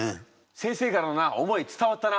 先生からのな思い伝わったな！